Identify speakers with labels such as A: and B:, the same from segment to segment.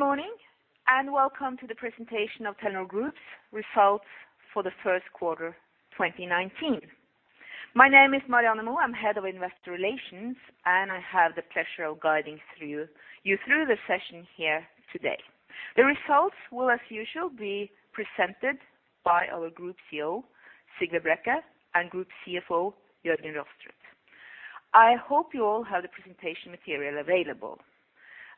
A: Good morning, and welcome to the presentation of Telenor Group's results for the first quarter, 2019. My name is Marianne Moe, I'm Head of Investor Relations, and I have the pleasure of guiding you through the session here today. The results will, as usual, be presented by our Group CEO, Sigve Brekke, and Group CFO, Jørgen Rostrup. I hope you all have the presentation material available.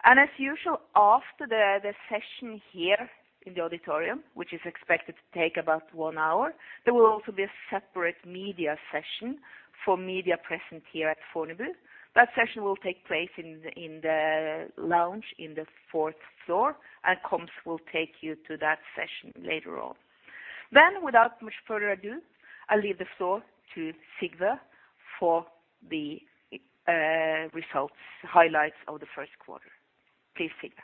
A: As usual, after the session here in the auditorium, which is expected to take about one hour, there will also be a separate media session for media present here at Fornebu. That session will take place in the lounge on the fourth floor, and comms will take you to that session later on. Without much further ado, I leave the floor to Sigve for the results highlights of the first quarter. Please, Sigve.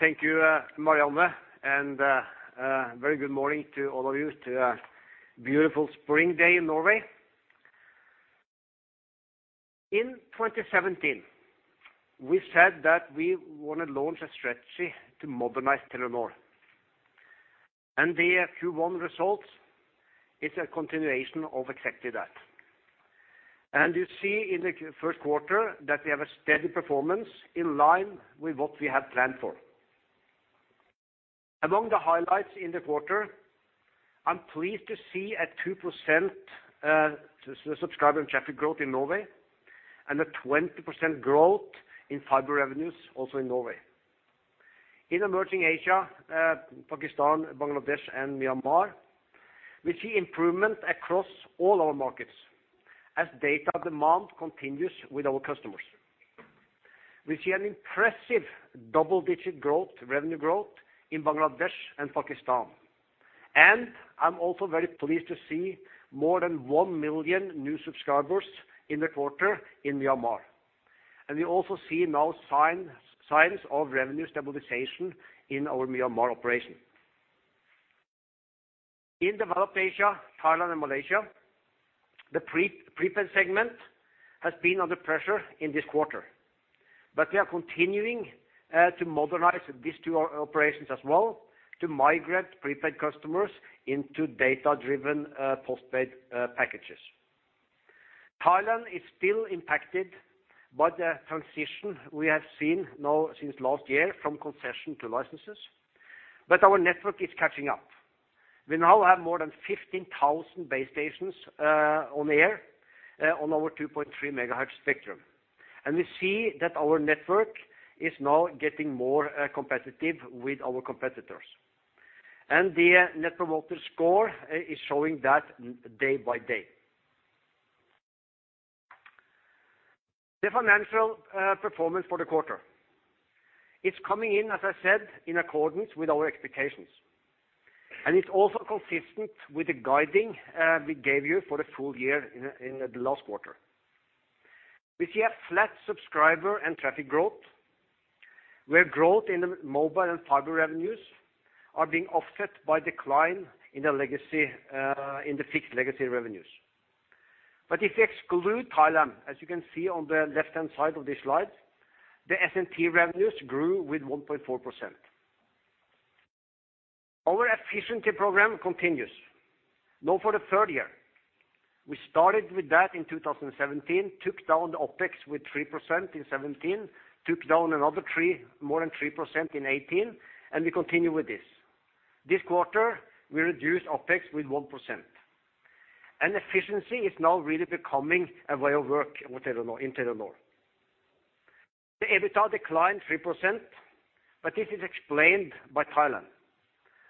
B: Thank you, Marianne, and a very good morning to all of you, to a beautiful spring day in Norway. In 2017, we said that we want to launch a strategy to modernize Telenor. The Q1 results is a continuation of exactly that. You see in the first quarter that we have a steady performance in line with what we had planned for. Among the highlights in the quarter, I'm pleased to see a 2% subscriber and traffic growth in Norway, and a 20% growth in fiber revenues, also in Norway. In Emerging Asia, Pakistan, Bangladesh, and Myanmar, we see improvement across all our markets as data demand continues with our customers. We see an impressive double-digit growth, revenue growth, in Bangladesh and Pakistan. I'm also very pleased to see more than 1 million new subscribers in the quarter in Myanmar. We also see now signs of revenue stabilization in our Myanmar operation. In Developed Asia, Thailand, and Malaysia, the prepaid segment has been under pressure in this quarter. But we are continuing to modernize these two operations as well, to migrate prepaid customers into data-driven postpaid packages. Thailand is still impacted by the transition we have seen now since last year from concession to licenses, but our network is catching up. We now have more than 15,000 base stations on air on our 2.3 megahertz spectrum, and we see that our network is now getting more competitive with our competitors. The Net Promoter Score is showing that day by day. The financial performance for the quarter. It's coming in, as I said, in accordance with our expectations, and it's also consistent with the guiding we gave you for the full year in the last quarter. We see a flat subscriber and traffic growth, where growth in the mobile and fiber revenues are being offset by decline in the legacy, in the fixed legacy revenues. But if you exclude Thailand, as you can see on the left-hand side of this slide, the S&T revenues grew with 1.4%. Our efficiency program continues, now for the third year. We started with that in 2017, took down the OpEx with 3% in 2017, took down another three—more than 3% in 2018, and we continue with this. This quarter, we reduced OpEx with 1%, and efficiency is now really becoming a way of work with Telenor, in Telenor. The EBITDA declined 3%, but this is explained by Thailand.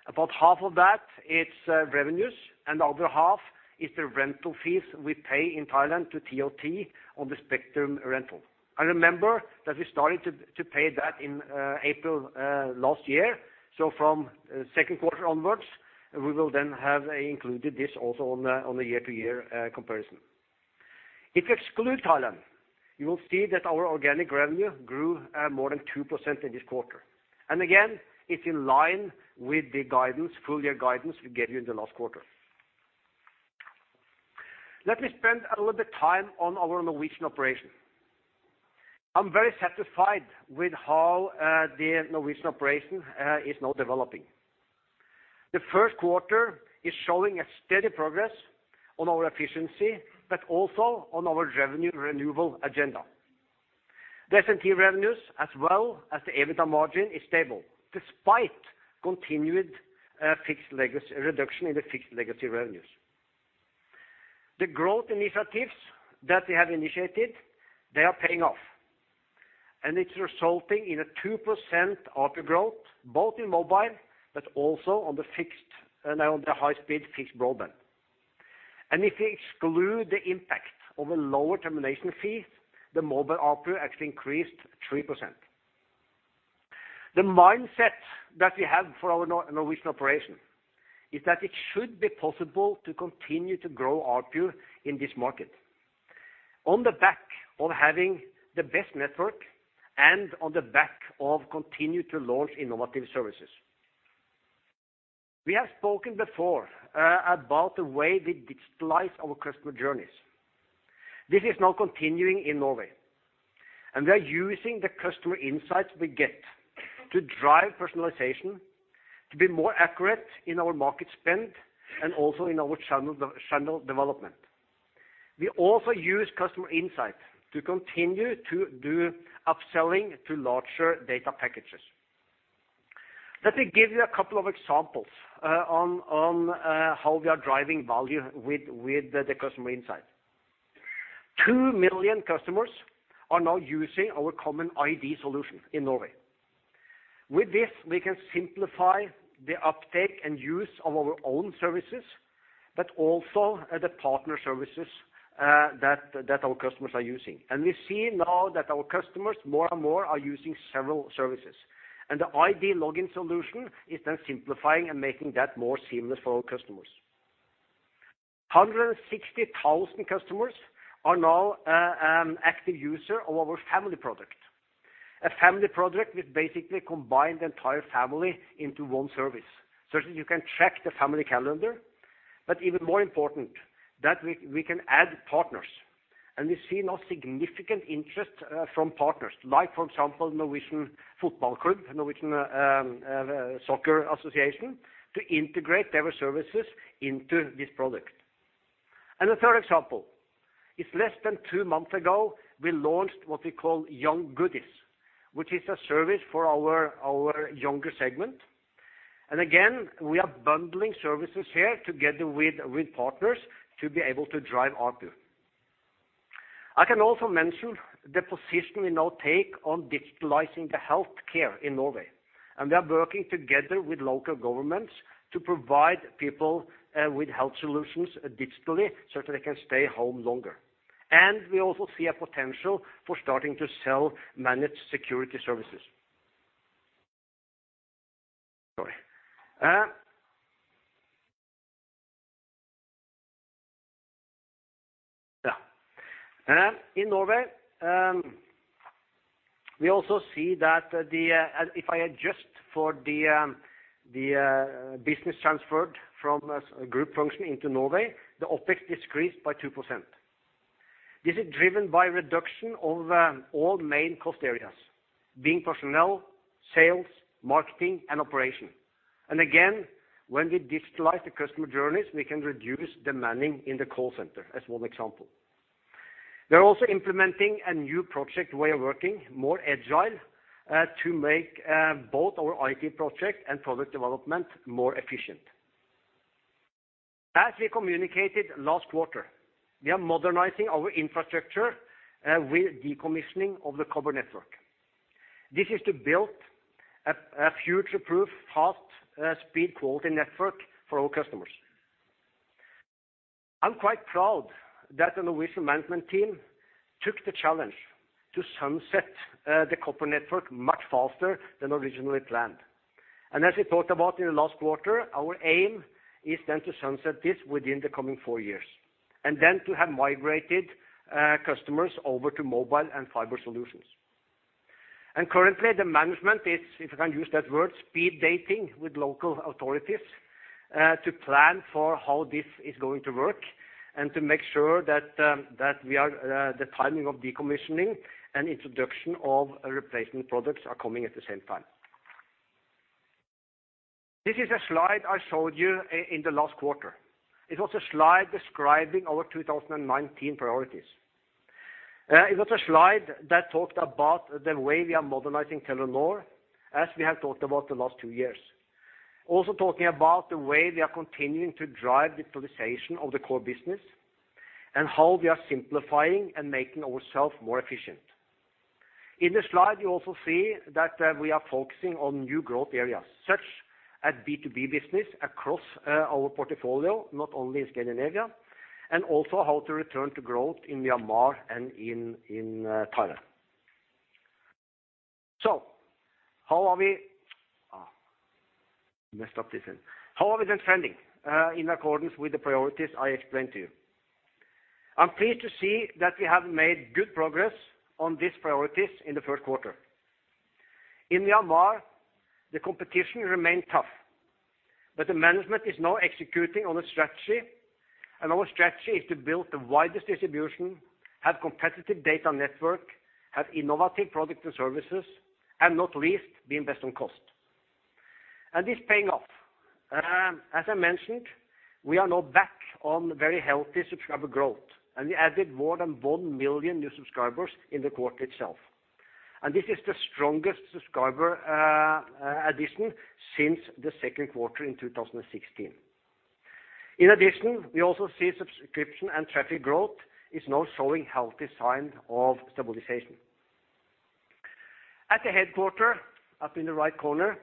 B: About half of that, it's revenues, and the other half is the rental fees we pay in Thailand to TOT on the spectrum rental. And remember that we started to pay that in April last year, so from second quarter onwards, we will then have included this also on the year-to-year comparison. If you exclude Thailand, you will see that our organic revenue grew more than 2% in this quarter. And again, it's in line with the guidance, full year guidance we gave you in the last quarter. Let me spend a little bit of time on our Norwegian operation. I'm very satisfied with how the Norwegian operation is now developing. The first quarter is showing a steady progress on our efficiency, but also on our revenue renewal agenda. The S&T revenues, as well as the EBITDA margin, is stable, despite continued fixed legacy reduction in the fixed legacy revenues. The growth initiatives that we have initiated, they are paying off, and it's resulting in a 2% ARPU growth, both in mobile, but also on the fixed, on the high-speed fixed broadband. And if you exclude the impact of a lower termination fee, the mobile ARPU actually increased 3%. The mindset that we have for our Norwegian operation is that it should be possible to continue to grow ARPU in this market. On the back of having the best network and on the back of continue to launch innovative services. We have spoken before about the way we digitalize our customer journeys. This is now continuing in Norway, and we are using the customer insights we get to drive personalization, to be more accurate in our market spend, and also in our channel development. We also use customer insight to continue to do upselling to larger data packages. Let me give you a couple of examples on how we are driving value with the customer insight. 2 million customers are now using our common ID solution in Norway. With this, we can simplify the uptake and use of our own services, but also the partner services that our customers are using. We see now that our customers, more and more, are using several services, and the ID login solution is then simplifying and making that more seamless for our customers. 160,000 customers are now active user of our family product. A family product, which basically combine the entire family into one service, so that you can check the family calendar, but even more important, that we can add partners. We see now significant interest from partners, like, for example, Norwegian Football Club, Norwegian Soccer Association, to integrate their services into this product. The third example is less than two months ago, we launched what we call Yng Goodies, which is a service for our younger segment. Again, we are bundling services here together with partners to be able to drive ARPU. I can also mention the position we now take on digitalizing the healthcare in Norway, and we are working together with local governments to provide people with health solutions digitally, so that they can stay home longer. We also see a potential for starting to sell managed security services. Sorry. In Norway, we also see that if I adjust for the business transferred from as a group function into Norway, the OpEx decreased by 2%. This is driven by reduction of all main cost areas, being personnel, sales, marketing, and operation. Again, when we digitalize the customer journeys, we can reduce the manning in the call center, as one example. We're also implementing a new project way of working, more agile, to make both our IT project and product development more efficient. As we communicated last quarter, we are modernizing our infrastructure with decommissioning of the copper network. This is to build a future-proof, fast, speed quality network for our customers. I'm quite proud that the Norwegian management team took the challenge to sunset the copper network much faster than originally planned. As we talked about in the last quarter, our aim is then to sunset this within the coming four years, and then to have migrated customers over to mobile and fiber solutions. Currently, the management is, if I can use that word, speed dating with local authorities to plan for how this is going to work, and to make sure that that we are the timing of decommissioning and introduction of replacement products are coming at the same time. This is a slide I showed you in the last quarter. It was a slide describing our 2019 priorities. It was a slide that talked about the way we are modernizing Telenor, as we have talked about the last two years. Also, talking about the way we are continuing to drive digitalization of the core business, and how we are simplifying and making ourselves more efficient. In the slide, you also see that we are focusing on new growth areas, such as B2B business across our portfolio, not only in Scandinavia, and also how to return to growth in Myanmar and in Thailand. So how are we then trending in accordance with the priorities I explained to you? I'm pleased to see that we have made good progress on these priorities in the first quarter. In Myanmar, the competition remained tough, but the management is now executing on a strategy, and our strategy is to build the widest distribution, have competitive data network, have innovative products and services, and not least, we invest on cost. This is paying off. As I mentioned, we are now back on very healthy subscriber growth, and we added more than 1 million new subscribers in the quarter itself. This is the strongest subscriber addition since the second quarter in 2016. In addition, we also see subscription and traffic growth is now showing healthy signs of stabilization. At the headquarters, up in the right corner,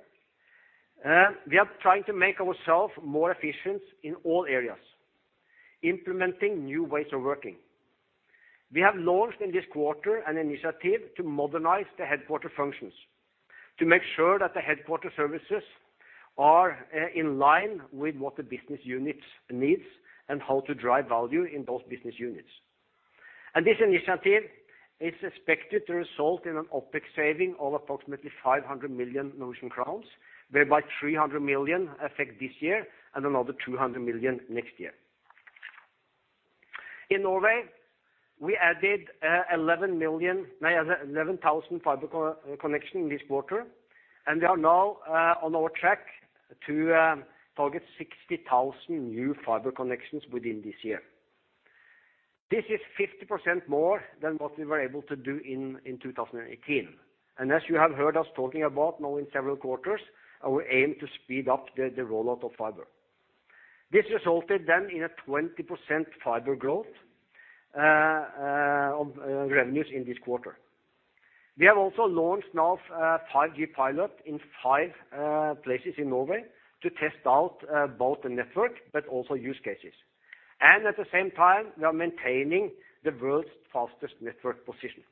B: we are trying to make ourselves more efficient in all areas, implementing new ways of working. We have launched in this quarter an initiative to modernize the headquarters functions, to make sure that the headquarters services are in line with what the business units need, and how to drive value in those business units. This initiative is expected to result in an OpEx saving of approximately 500 million Norwegian crowns, whereby 300 million affect this year, and another 200 million next year. In Norway, we added 11,000 fiber connections this quarter, and we are now on track to target 60,000 new fiber connections within this year. This is 50% more than what we were able to do in 2018, and as you have heard us talking about now in several quarters, our aim to speed up the rollout of fiber. This resulted then in a 20% fiber growth of revenues in this quarter. We have also launched now 5G pilot in five places in Norway to test out both the network but also use cases. And at the same time, we are maintaining the world's fastest network position.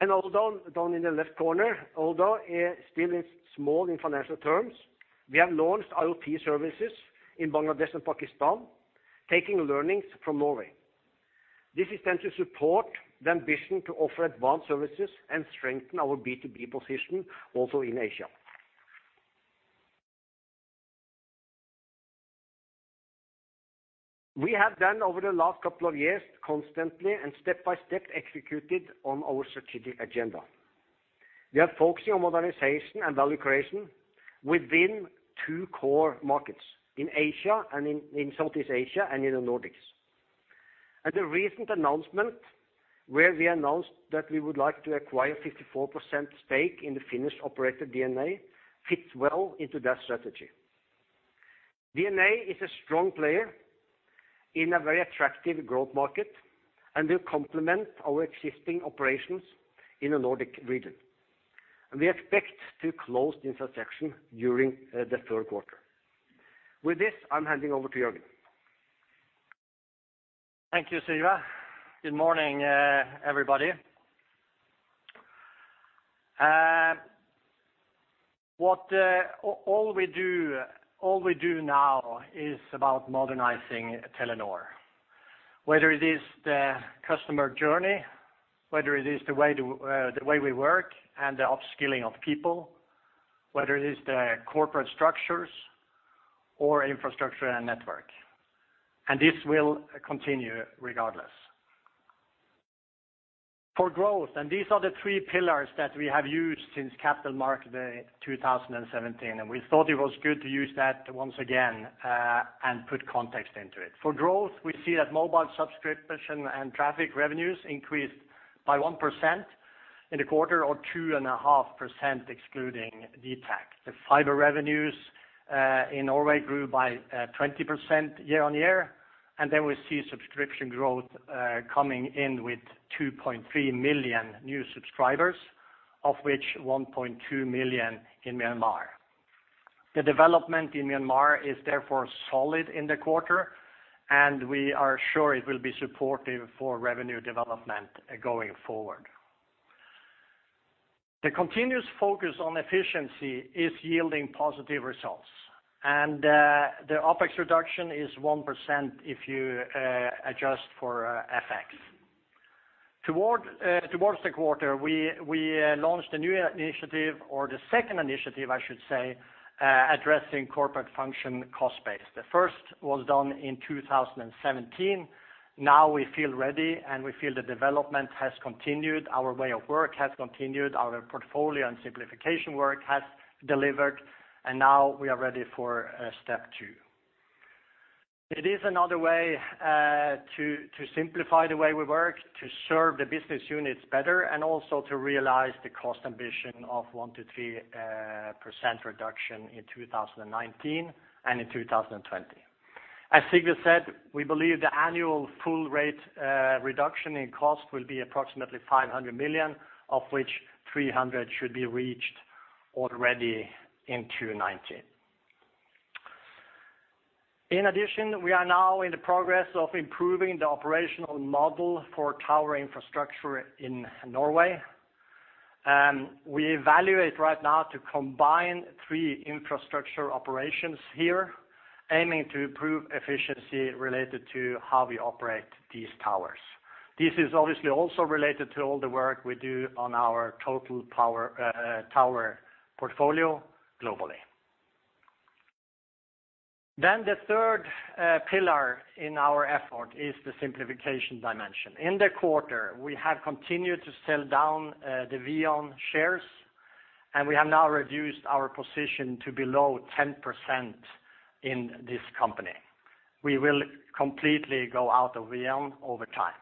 B: And although down in the left corner, still it's small in financial terms, we have launched IoT services in Bangladesh and Pakistan, taking learnings from Norway. This is meant to support the ambition to offer advanced services and strengthen our B2B position also in Asia. We have done over the last couple of years, constantly and step by step, executed on our strategic agenda. We are focusing on modernization and value creation within two core markets, in Asia and in Southeast Asia and in the Nordics. At the recent announcement, where we announced that we would like to acquire 54% stake in the Finnish operator DNA, fits well into that strategy. DNA is a strong player in a very attractive growth market and will complement our existing operations in the Nordic region, and we expect to close the transaction during the third quarter. With this, I'm handing over to Jørgen.
C: Thank you, Sigve. Good morning, everybody. What all we do now is about modernizing Telenor. Whether it is the customer journey, whether it is the way to, the way we work and the upskilling of people, whether it is the corporate structures or infrastructure and network, and this will continue regardless. For growth, and these are the three pillars that we have used since Capital Market Day, 2017, and we thought it was good to use that once again, and put context into it. For growth, we see that mobile subscription and traffic revenues increased by 1% in the quarter, or 2.5%, excluding dtac. The fiber revenues in Norway grew by 20% year-on-year, and then we see subscription growth coming in with 2.3 million new subscribers, of which 1.2 million in Myanmar. The development in Myanmar is therefore solid in the quarter, and we are sure it will be supportive for revenue development going forward. The continuous focus on efficiency is yielding positive results, and the OpEx reduction is 1% if you adjust for FX. Towards the quarter, we launched a new initiative, or the second initiative, I should say, addressing corporate function cost base. The first was done in 2017. Now, we feel ready, and we feel the development has continued, our way of work has continued, our portfolio and simplification work has delivered, and now we are ready for step two. It is another way to simplify the way we work, to serve the business units better, and also to realize the cost ambition of 1% to 3% reduction in 2019 and in 2020. As Sigve said, we believe the annual full rate reduction in cost will be approximately 500 million, of which 300 million should be reached already in 2019. In addition, we are now in the progress of improving the operational model for tower infrastructure in Norway, and we evaluate right now to combine three infrastructure operations here, aiming to improve efficiency related to how we operate these towers. This is obviously also related to all the work we do on our total power tower portfolio globally. Then the third pillar in our effort is the simplification dimension. In the quarter, we have continued to sell down the VEON shares, and we have now reduced our position to below 10% in this company. We will completely go out of VEON over time.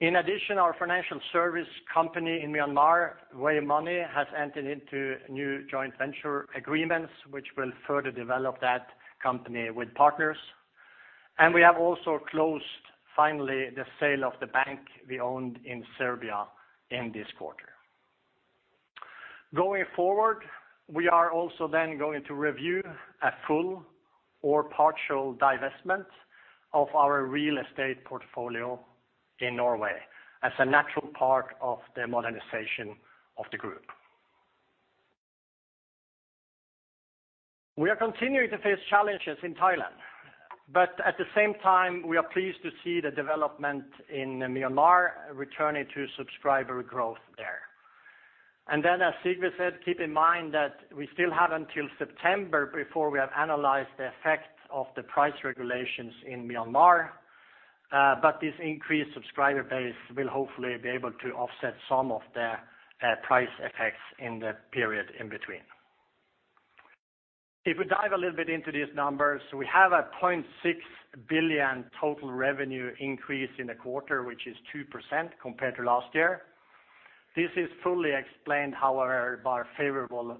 C: In addition, our financial service company in Myanmar, Wave Money, has entered into new joint venture agreements, which will further develop that company with partners. And we have also closed, finally, the sale of the bank we owned in Serbia in this quarter. Going forward, we are also then going to review a full or partial divestment of our real estate portfolio in Norway as a natural part of the modernization of the group. We are continuing to face challenges in Thailand, but at the same time, we are pleased to see the development in Myanmar returning to subscriber growth there. And then, as Sigve said, keep in mind that we still have until September before we have analyzed the effects of the price regulations in Myanmar, but this increased subscriber base will hopefully be able to offset some of the price effects in the period in between. If we dive a little bit into these numbers, we have 0.6 billion total revenue increase in the quarter, which is 2% compared to last year. This is fully explained, however, by favorable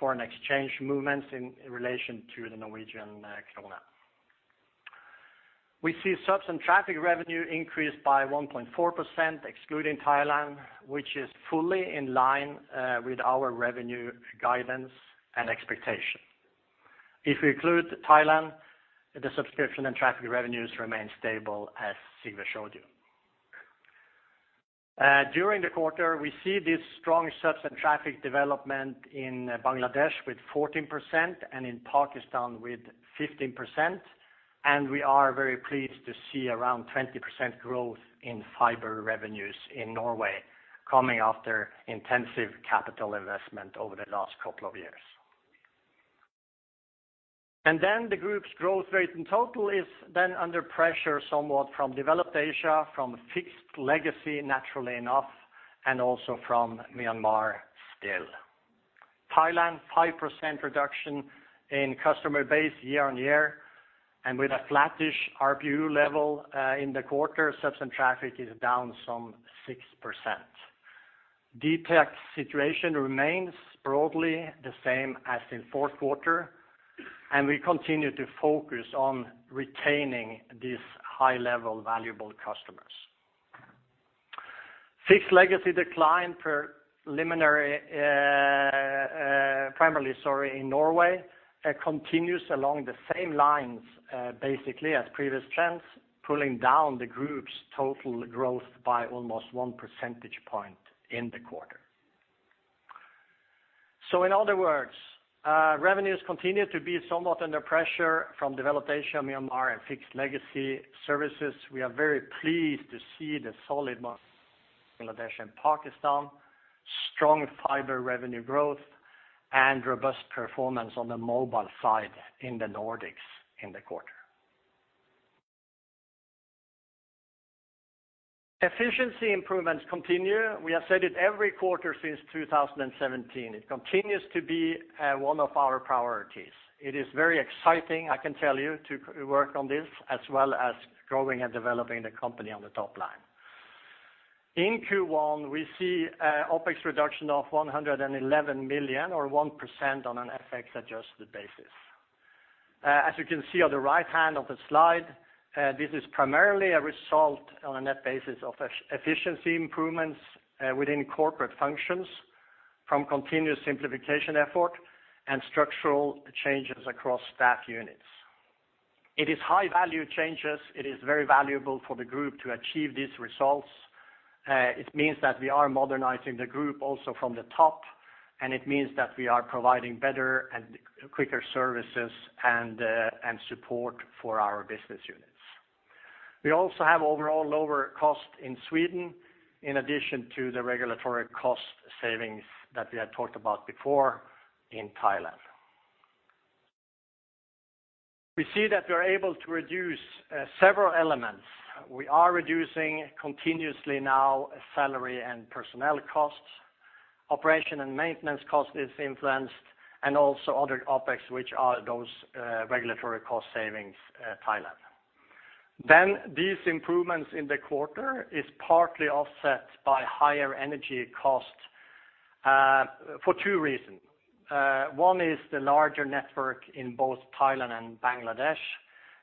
C: foreign exchange movements in relation to the Norwegian krone. We see subs and traffic revenue increased by 1.4%, excluding Thailand, which is fully in line with our revenue guidance and expectation. If we include Thailand, the subscription and traffic revenues remain stable, as Sigve showed you. During the quarter, we see this strong subs and traffic development in Bangladesh with 14% and in Pakistan with 15%, and we are very pleased to see around 20% growth in fiber revenues in Norway, coming after intensive capital investment over the last couple of years. Then the group's growth rate in total is under pressure, somewhat from developed Asia, from fixed legacy, naturally enough, and also from Myanmar still. Thailand, 5% reduction in customer base year-on-year, and with a flattish RPU level, in the quarter, subs and traffic is down some 6%. dtac's situation remains broadly the same as in fourth quarter, and we continue to focus on retaining these high-level, valuable customers. Fixed legacy decline preliminary, primarily, sorry, in Norway, continues along the same lines, basically as previous trends, pulling down the group's total growth by almost one percentage point in the quarter. So in other words, revenues continue to be somewhat under pressure from developed Asia, Myanmar, and fixed legacy services. We are very pleased to see the solid growth in Bangladesh and Pakistan, strong fiber revenue growth, and robust performance on the mobile side in the Nordics in the quarter. Efficiency improvements continue. We have said it every quarter since 2017. It continues to be one of our priorities. It is very exciting, I can tell you, to work on this, as well as growing and developing the company on the top line. In Q1, we see OpEx reduction of 111 million, or 1% on an FX-adjusted basis. As you can see on the right-hand of the slide, this is primarily a result on a net basis of efficiency improvements, within corporate functions, from continuous simplification effort and structural changes across staff units. It is high-value changes. It is very valuable for the group to achieve these results. It means that we are modernizing the group also from the top, and it means that we are providing better and quicker services and, and support for our business units. We also have overall lower cost in Sweden, in addition to the regulatory cost savings that we had talked about before in Thailand. We see that we're able to reduce, several elements. We are reducing continuously now, salary and personnel costs, operation and maintenance cost is influenced, and also other OpEx, which are those, regulatory cost savings, Thailand. Then these improvements in the quarter is partly offset by higher energy costs for two reasons. One is the larger network in both Thailand and Bangladesh,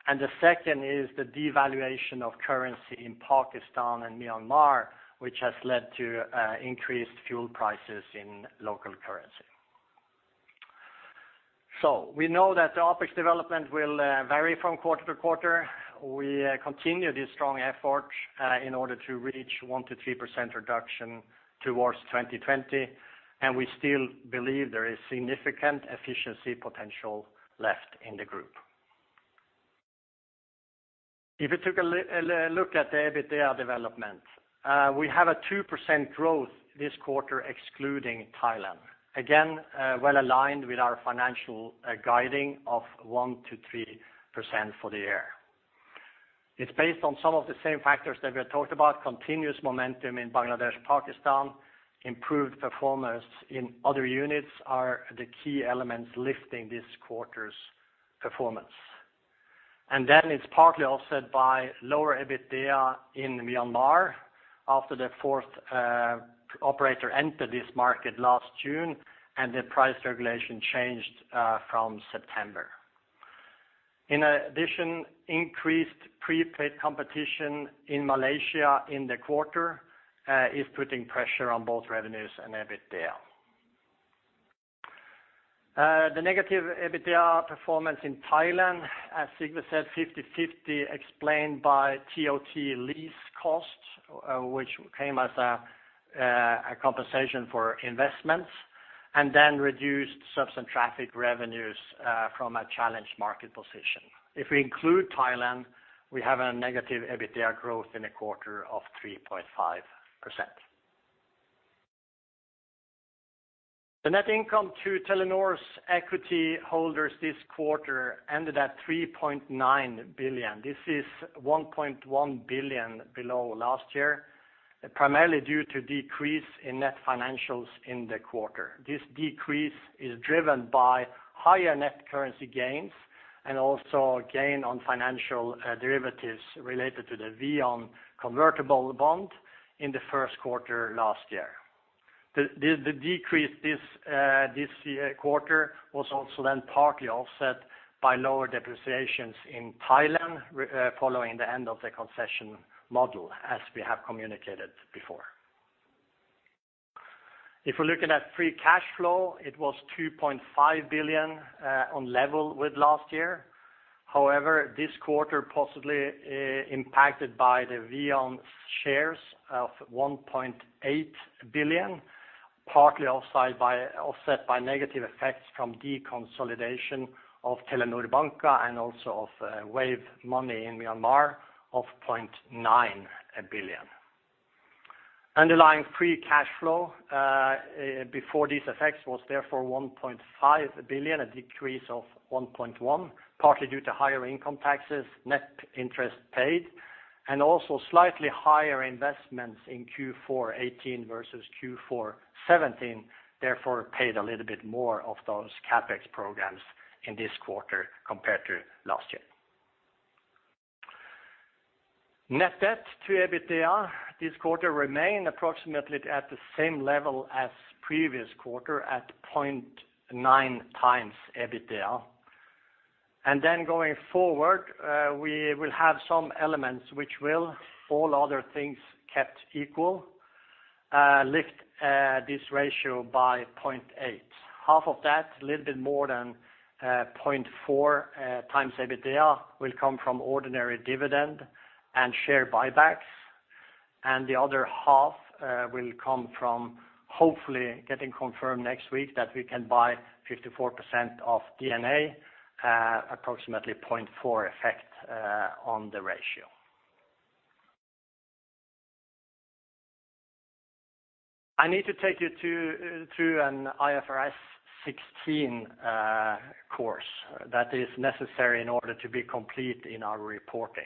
C: and the second is the devaluation of currency in Pakistan and Myanmar, which has led to increased fuel prices in local currency. So we know that the OpEx development will vary from quarter to quarter. We continue this strong effort in order to reach 1% to 3% reduction towards 2020, and we still believe there is significant efficiency potential left in the group. If you took a look at the EBITDA development, we have a 2% growth this quarter, excluding Thailand. Again, well aligned with our financial guiding of 1% to 3% for the year. It's based on some of the same factors that we had talked about, continuous momentum in Bangladesh, Pakistan, improved performance in other units are the key elements lifting this quarter's performance. Then it's partly offset by lower EBITDA in Myanmar after the fourth operator entered this market last June, and the price regulation changed from September. In addition, increased prepaid competition in Malaysia in the quarter is putting pressure on both revenues and EBITDA. The negative EBITDA performance in Thailand, as Sigve said, 50/50, explained by TOT lease costs, which came as a compensation for investment... and then reduced subs and traffic revenues from a challenged market position. If we include Thailand, we have a negative EBITDA growth in a quarter of 3.5%. The net income to Telenor's equity holders this quarter ended at 3.9 billion. This is 1.1 billion below last year, primarily due to decrease in net financials in the quarter. This decrease is driven by higher net currency gains, and also a gain on financial derivatives related to the VEON convertible bond in the first quarter last year. The decrease this year quarter was also then partly offset by lower depreciations in Thailand, following the end of the concession model, as we have communicated before. If we're looking at free cash flow, it was 2.5 billion on level with last year. However, this quarter possibly impacted by the VEON shares of 1.8 billion, partly offset by, offset by negative effects from deconsolidation of Telenor Banka and also of Wave Money in Myanmar of 0.9 billion. Underlying free cash flow, before these effects was therefore 1.5 billion, a decrease of 1.1 billion, partly due to higher income taxes, net interest paid, and also slightly higher investments in Q4 2018 versus Q4 2017, therefore paid a little bit more of those CapEx programs in this quarter compared to last year. Net debt to EBITDA this quarter remained approximately at the same level as previous quarter, at 0.9x EBITDA. And then going forward, we will have some elements which will, all other things kept equal, lift this ratio by 0.8. Half of that, a little bit more than 0.4x EBITDA, will come from ordinary dividend and share buybacks. And the other half will come from hopefully getting confirmed next week that we can buy 54% of DNA, approximately 0.4 effect on the ratio. I need to take you through an IFRS 16 course that is necessary in order to be complete in our reporting,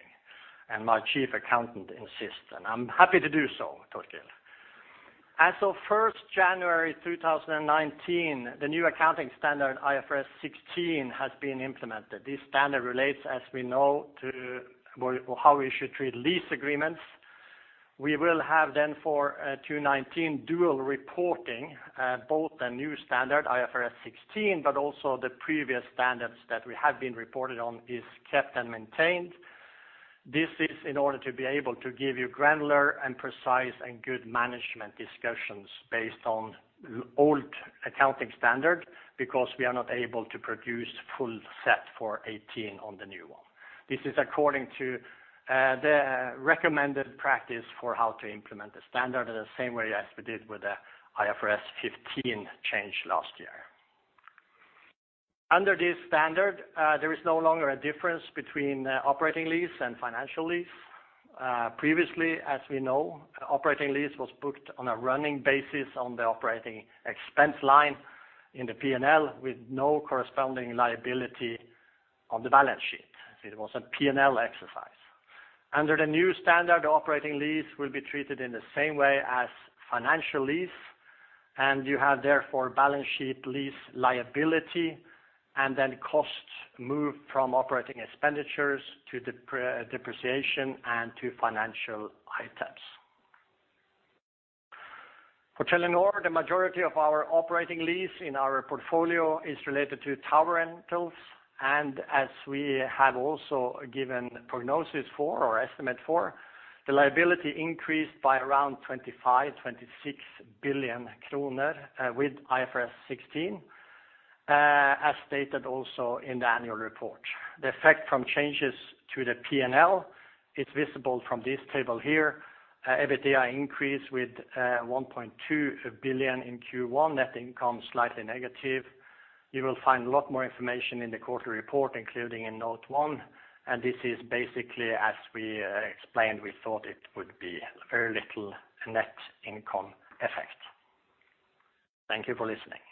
C: and my chief accountant insists, and I'm happy to do so, Torkild. As of 1st January 2019, the new accounting standard, IFRS 16, has been implemented. This standard relates, as we know, to how we should treat lease agreements. We will have then for 2019, dual reporting, both the new standard, IFRS 16, but also the previous standards that we have been reported on is kept and maintained. This is in order to be able to give you granular and precise and good management discussions based on old accounting standard, because we are not able to produce full set for 2018 on the new one. This is according to the recommended practice for how to implement the standard, the same way as we did with the IFRS 15 change last year. Under this standard, there is no longer a difference between operating lease and financial lease. Previously, as we know, operating lease was booked on a running basis on the operating expense line in the P&L, with no corresponding liability on the balance sheet. It was a P&L exercise. Under the new standard, operating lease will be treated in the same way as financial lease, and you have therefore balance sheet lease liability, and then costs move from operating expenditures to depreciation and to financial items. For Telenor, the majority of our operating lease in our portfolio is related to tower rentals, and as we have also given prognosis for, or estimate for, the liability increased by around 25 billion-26 billion kroner with IFRS 16, as stated also in the annual report. The effect from changes to the P&L is visible from this table here. EBITDA increased with 1.2 billion NOK in Q1, net income slightly negative. You will find a lot more information in the quarterly report, including in note one, and this is basically, as we explained, we thought it would be very little net income effect. Thank you for listening.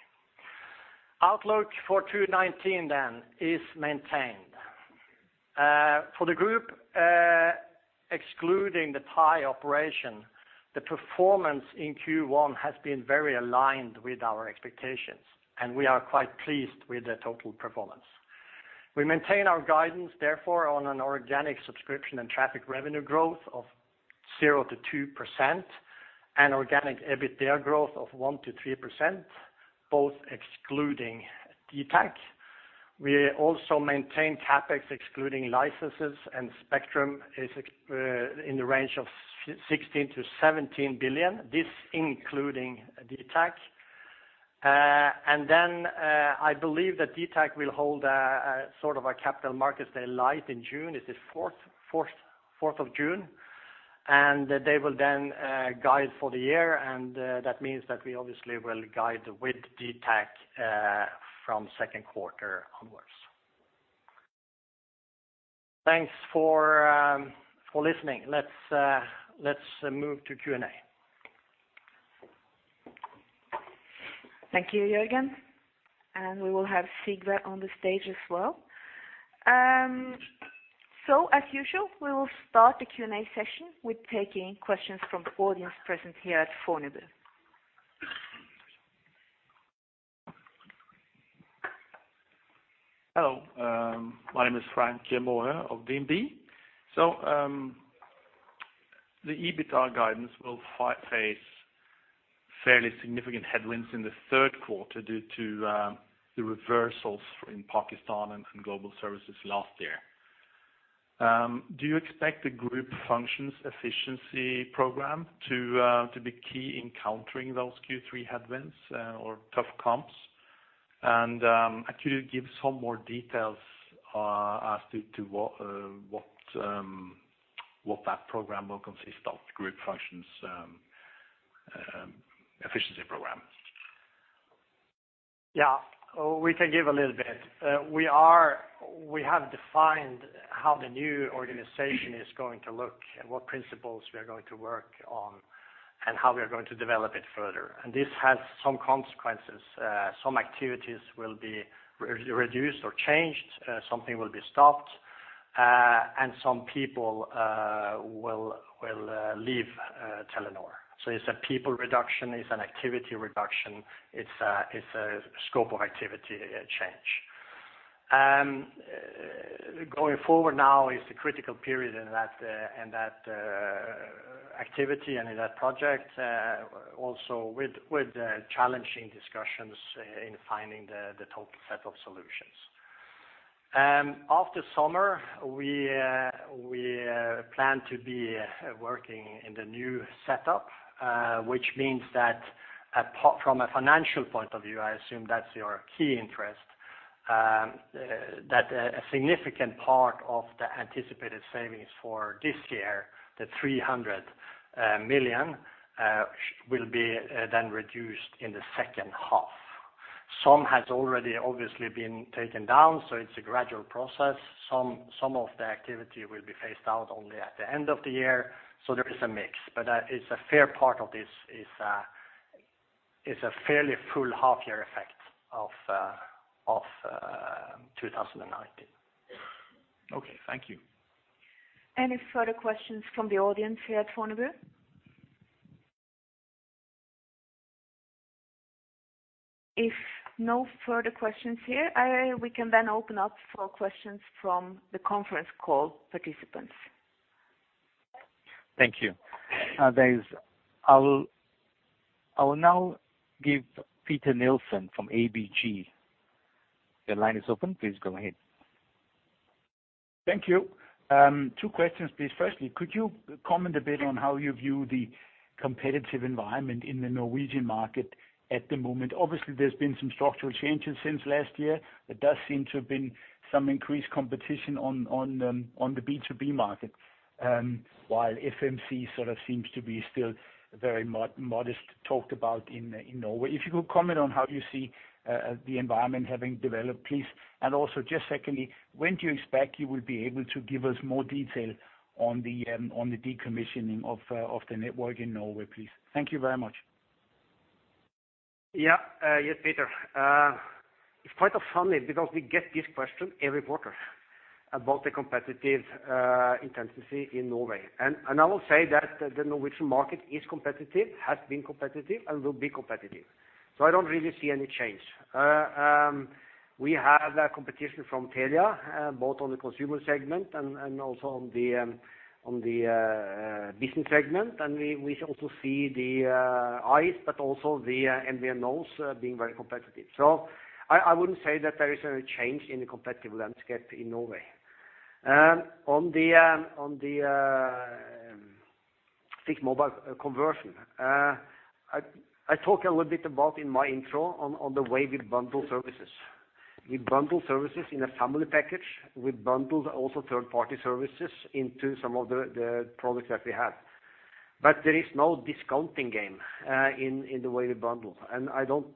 C: Outlook for 2019 then is maintained. For the group, excluding the Thai operation, the performance in Q1 has been very aligned with our expectations, and we are quite pleased with the total performance. We maintain our guidance, therefore, on an organic subscription and traffic revenue growth of 0% to 2%, and organic EBITDA growth of 1% to 3%, both excluding dtac. We also maintain CapEx excluding licenses and spectrum in the range of 16 billion to 17 billion, this including dtac. I believe that dtac will hold a sort of a capital markets day live in June. Is it the fourth of June? ... and they will then guide for the year, and that means that we obviously will guide with dtac from second quarter onwards. Thanks for listening. Let's move to Q&A.
A: Thank you, Jørgen, and we will have Sigve on the stage as well. As usual, we will start the Q&A session with taking questions from the audience present here at Fornebu.
D: Hello, my name is Frank Maaø of DNB. The EBITDA guidance will face fairly significant headwinds in the third quarter due to the reversals in Pakistan and in global services last year. Do you expect the group functions efficiency program to be key in countering those Q3 headwinds, or tough comps? And actually give some more details as to what that program will consist of, group functions efficiency program.
B: Yeah, we can give a little bit. We have defined how the new organization is going to look and what principles we are going to work on, and how we are going to develop it further. This has some consequences. Some activities will be reduced or changed, something will be stopped, and some people will leave Telenor. It's a people reduction, it's an activity reduction, it's a scope of activity change. Going forward now is the critical period in that activity and in that project, also with challenging discussions in finding the total set of solutions. After summer, we plan to be working in the new setup, which means that apart from a financial point of view, I assume that's your key interest, that a significant part of the anticipated savings for this year, the 300 million, will be then reduced in the second half. Some has already obviously been taken down, so it's a gradual process. Some of the activity will be phased out only at the end of the year, so there is a mix. But it's a fair part of this is, it's a fairly full half year effect of 2019.
D: Okay. Thank you.
A: Any further questions from the audience here at Fornebu? If no further questions here, we can then open up for questions from the conference call participants.
E: Thank you. I will now give Peter Nielson from ABG. The line is open, please go ahead.
F: Thank you. Two questions, please. Firstly, could you comment a bit on how you view the competitive environment in the Norwegian market at the moment? Obviously, there's been some structural changes since last year. There does seem to have been some increased competition on the B2B market, while FMC sort of seems to be still very modest, talked about in Norway. If you could comment on how you see the environment having developed, please. And also, just secondly, when do you expect you will be able to give us more detail on the decommissioning of the network in Norway, please? Thank you very much.
B: Yeah. Yes, Peter. It's quite funny because we get this question every quarter about the competitive intensity in Norway. And I will say that the Norwegian market is competitive, has been competitive, and will be competitive. So I don't really see any change. We have a competition from Telia both on the consumer segment and also on the business segment. And we also see the Ice, but also the MVNOs being very competitive. So I wouldn't say that there is any change in the competitive landscape in Norway. On the fixed mobile conversion, I talk a little bit about in my intro on the way we bundle services. We bundle services in a family package, we bundle also third-party services into some of the products that we have. But there is no discounting game in the way we bundle, and I don't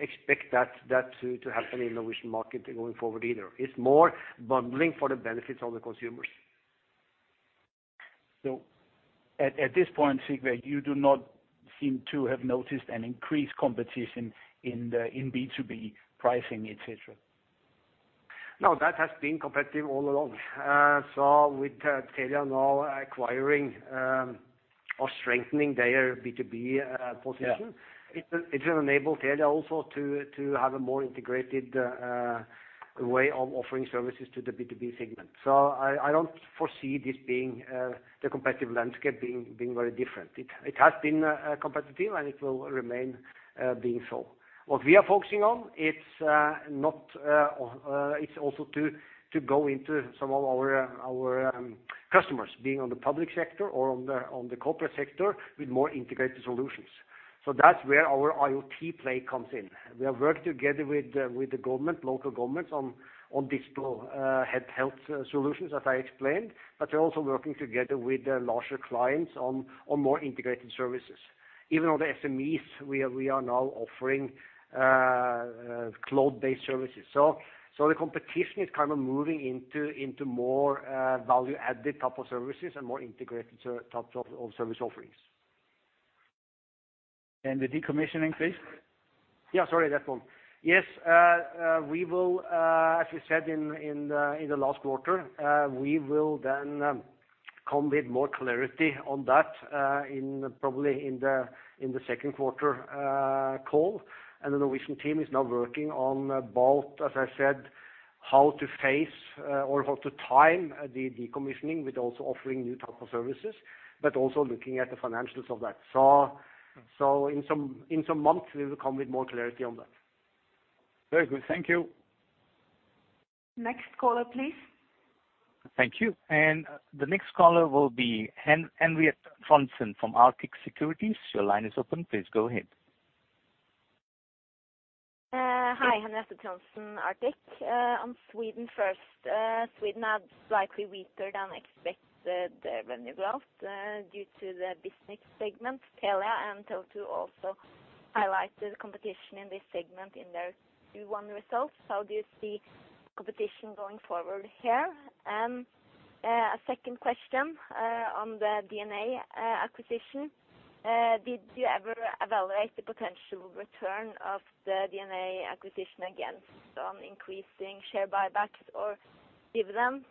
B: expect that to happen in the Norwegian market going forward either. It's more bundling for the benefits of the consumers.
F: So at this point, Sigve, you do not seem to have noticed an increased competition in the B2B pricing, et cetera?
B: No, that has been competitive all along. So with Telia now acquiring or strengthening their B2B position-
F: Yeah...
B: it will, it will enable Telia also to, to have a more integrated way of offering services to the B2B segment. So I, I don't foresee this being, the competitive landscape being, being very different. It, it has been, competitive, and it will remain, being so. What we are focusing on, it's, not, it's also to, to go into some of our, our, customers, being on the public sector or on the, on the corporate sector, with more integrated solutions.... So that's where our IoT play comes in. We are working together with the, with the government, local governments on, on digital, health, health solutions, as I explained, but we're also working together with the larger clients on, on more integrated services. Even on the SMEs, we are, we are now offering, cloud-based services. So, the competition is kind of moving into more value-added type of services and more integrated type of service offerings.
E: The decommissioning, please?
B: Yeah, sorry, that one. Yes, we will, as we said in the last quarter, we will then come with more clarity on that, in probably in the second quarter call. And the Norwegian team is now working on both, as I said, how to face or how to time the decommissioning with also offering new type of services, but also looking at the financials of that. So, in some months, we will come with more clarity on that.
E: Very good. Thank you.
A: Next caller, please.
E: Thank you. And the next caller will be Henriette Trondsen from Arctic Securities. Your line is open. Please go ahead.
G: Hi, Henriette Trondsen, Arctic. On Sweden first, Sweden had slightly weaker than expected revenue growth due to the business segment, Telia and Tele2 also highlighted competition in this segment in their Q1 results. How do you see competition going forward here? And a second question on the DNA acquisition. Did you ever evaluate the potential return of the DNA acquisition against on increasing share buybacks or dividends?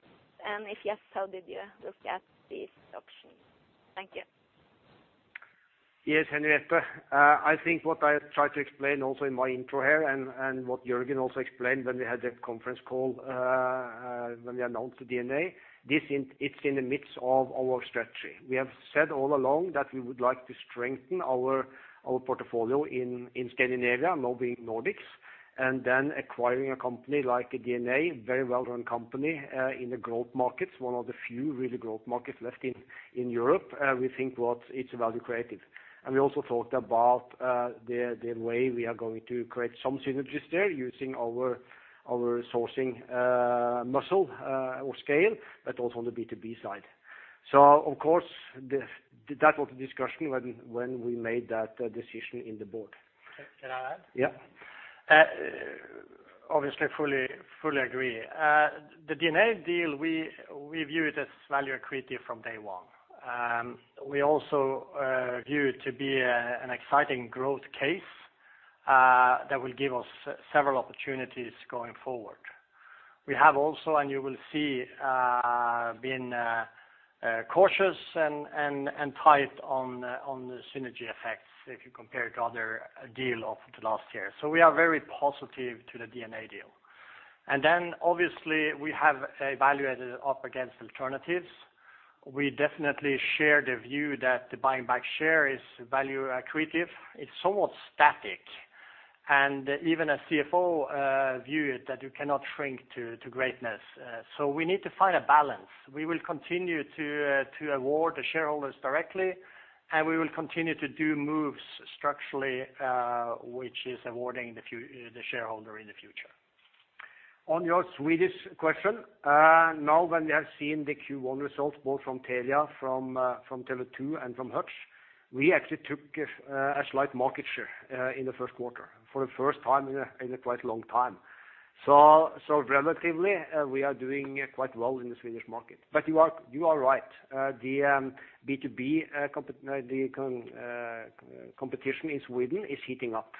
G: And if yes, how did you look at these options? Thank you.
B: Yes, Henriette. I think what I tried to explain also in my intro here and what Jørgen also explained when we had that conference call, when we announced the DNA, this is, it's in the midst of our strategy. We have said all along that we would like to strengthen our portfolio in Scandinavia, now being Nordics, and then acquiring a company like a DNA, very well-run company, in the growth markets, one of the few really growth markets left in Europe, we think what it's value creative. And we also talked about the way we are going to create some synergies there using our sourcing muscle or scale, but also on the B2B side. So of course, that was the discussion when we made that decision in the board.
C: Can I add?
B: Yeah.
C: Obviously, I fully, fully agree. The DNA deal, we, we viewed as value accretive from day one. We also view it to be an exciting growth case that will give us several opportunities going forward. We have also, and you will see, being cautious and tight on the synergy effects, if you compare it to other deal of the last year. So we are very positive to the DNA deal. And then obviously, we have evaluated it up against alternatives. We definitely share the view that the buying back share is value accretive. It's somewhat static, and even a CFO view it, that you cannot shrink to greatness. So we need to find a balance. We will continue to award the shareholders directly, and we will continue to do moves structurally, which is awarding the shareholder in the future.
B: On your Swedish question, now when we have seen the Q1 results, both from Telia, from Tele2, and from Hutch, we actually took a slight market share in the first quarter for the first time in a quite long time. So, relatively, we are doing quite well in the Swedish market. But you are right. The B2B competition in Sweden is heating up.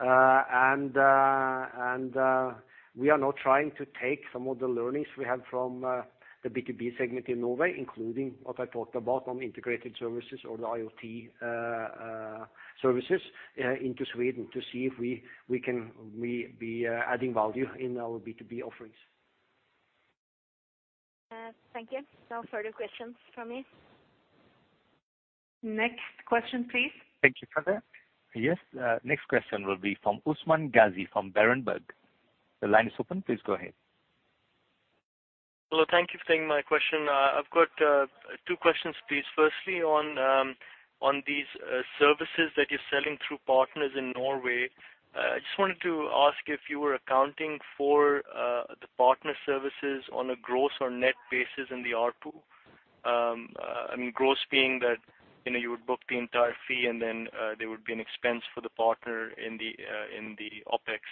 B: And we are now trying to take some of the learnings we have from the B2B segment in Norway, including what I talked about on integrated services or the IoT services into Sweden to see if we can be adding value in our B2B offerings.
G: Thank you. No further questions from me.
A: Next question, please.
E: Thank you for that. Yes, next question will be from Usman Ghazi from Berenberg. The line is open. Please go ahead.
H: Hello, thank you for taking my question. I've got two questions, please. Firstly, on these services that you're selling through partners in Norway, I just wanted to ask if you were accounting for the partner services on a gross or net basis in the ARPU. I mean, gross being that, you know, you would book the entire fee, and then there would be an expense for the partner in the OpEx.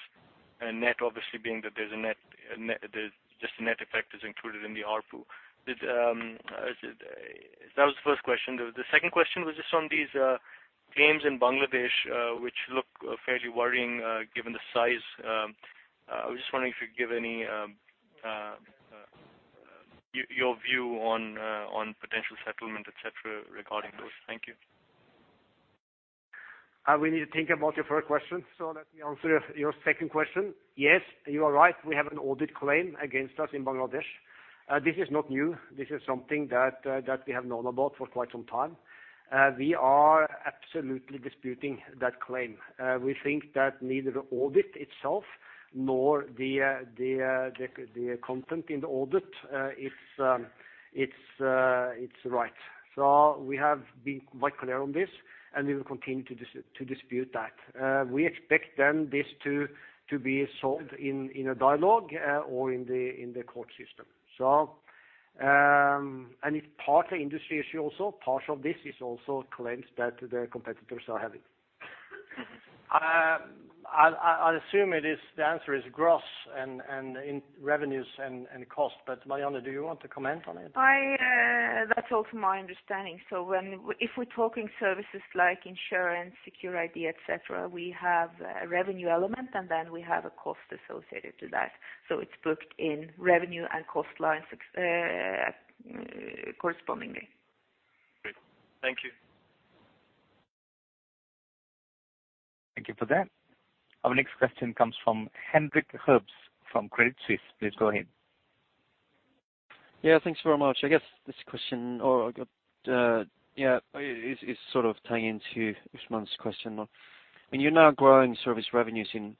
H: And net, obviously, being that there's just the net effect included in the ARPU. That was the first question. The second question was just on these claims in Bangladesh, which look fairly worrying, given the size. I was just wondering if you'd give your view on potential settlement, et cetera, regarding those. Thank you.
B: We need to think about your first question, so let me answer your second question. Yes, you are right. We have an audit claim against us in Bangladesh. This is not new. This is something that we have known about for quite some time. We are absolutely disputing that claim. We think that neither the audit itself nor the content in the audit is right. So we have been quite clear on this, and we will continue to dispute that. We expect this to be solved in a dialogue or in the court system. It's part-industry issue also, part of this is also claims that the competitors are having. I'll assume the answer is gross and in revenues and cost, but Marianne, do you want to comment on it?
A: I, that's also my understanding. So if we're talking services like insurance, secure ID, et cetera, we have a revenue element, and then we have a cost associated to that. So it's booked in revenue and cost lines, correspondingly.
E: Great. Thank you. Thank you for that. Our next question comes from Henrik Herbst from Verition Fund Management. Please go ahead.
I: Yeah, thanks very much. I guess this question or, yeah, is sort of tying into Usman's question. When you're now growing service revenues in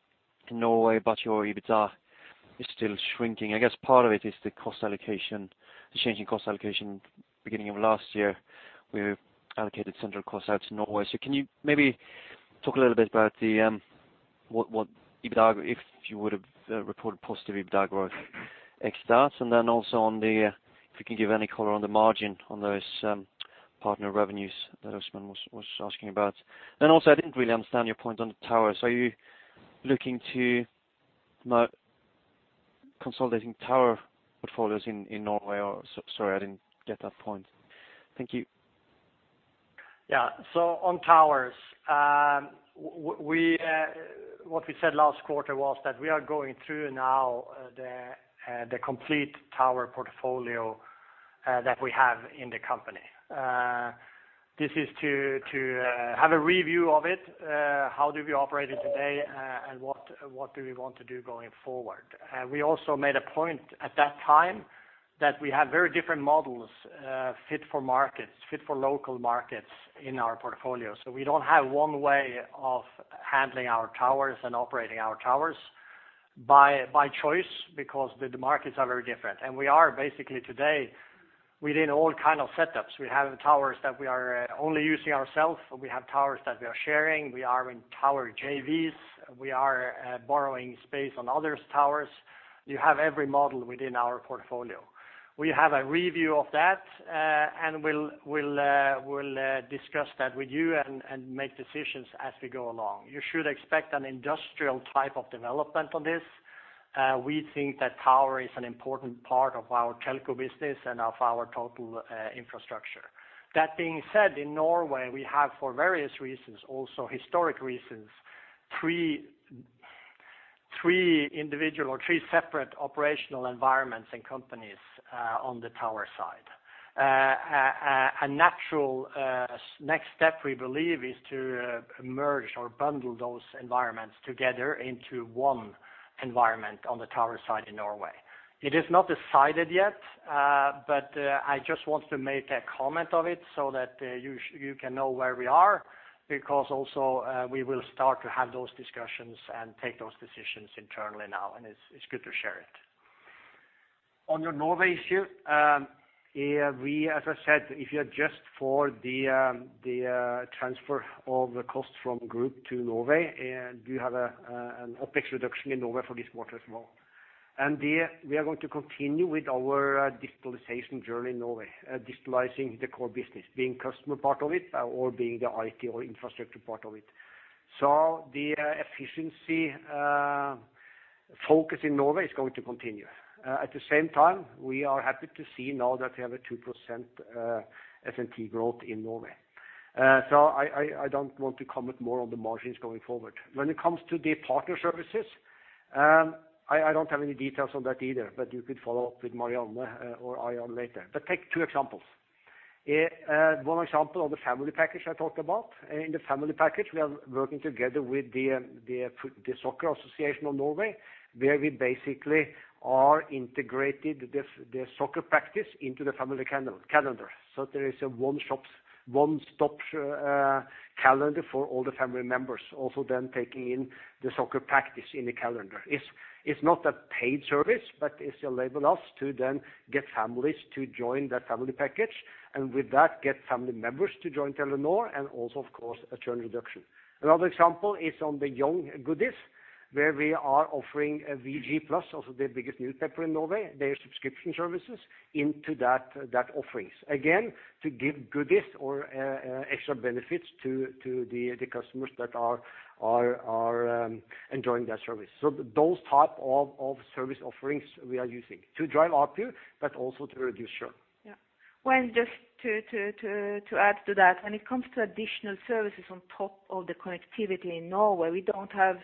I: Norway, but your EBITDA is still shrinking, I guess part of it is the cost allocation, the changing cost allocation beginning of last year, where you allocated central costs out to Norway. So can you maybe talk a little bit about the... What EBITDA, if you would have reported positive EBITDA growth ex that, and then also on the, if you can give any color on the margin on those partner revenues that Usman was asking about? And also, I didn't really understand your point on the towers. Are you looking to consolidating tower portfolios in Norway, or... Sorry, I didn't get that point. Thank you.
B: Yeah. So on towers, we what we said last quarter was that we are going through now the complete tower portfolio that we have in the company. This is to have a review of it, how do we operate it today, and what, what do we want to do going forward? We also made a point at that time that we have very different models, fit for markets, fit for local markets in our portfolio. So we don't have one way of handling our towers and operating our towers by choice, because the markets are very different. And we are basically today within all kind of setups. We have towers that we are only using ourselves, we have towers that we are sharing, we are in tower JVs, we are borrowing space on others' towers. You have every model within our portfolio. We have a review of that, and we'll, we'll, we'll discuss that with you and, and make decisions as we go along. You should expect an industrial type of development on this. We think that tower is an important part of our telco business and of our total infrastructure. That being said, in Norway, we have, for various reasons, also historic reasons, three, three individual or three separate operational environments and companies on the tower side. A natural next step, we believe, is to merge or bundle those environments together into one environment on the tower side in Norway. It is not decided yet, but I just want to make a comment of it so that you can know where we are, because also we will start to have those discussions and take those decisions internally now, and it's good to share it. On your Norway issue, yeah, we... As I said, if you adjust for the transfer of the cost from group to Norway, and you have an OpEx reduction in Norway for this quarter as well. We are going to continue with our digitalization journey in Norway, digitalizing the core business, being customer part of it or being the IT or infrastructure part of it. So the efficiency focus in Norway is going to continue. At the same time, we are happy to see now that we have a 2% SMT growth in Norway. So I don't want to comment more on the margins going forward. When it comes to the partner services, I don't have any details on that either, but you could follow up with Marianne or I later. But take two examples. One example on the family package I talked about. In the family package, we are working together with the soccer association of Norway, where we basically are integrated the soccer practice into the family calendar. So there is a one-shop, one-stop calendar for all the family members, also then taking in the soccer practice in the calendar. It's not a paid service, but it enable us to then get families to join that family package, and with that, get family members to join Telenor, and also, of course, a churn reduction. Another example is on the Yng Goodies, where we are offering a VG+, also the biggest newspaper in Norway, their subscription services into that offerings. Again, to give goodies or extra benefits to the customers that are enjoying that service. So those type of service offerings we are using to drive ARPU, but also to reduce churn.
A: Yeah. Well, just to add to that, when it comes to additional services on top of the connectivity in Norway, we don't have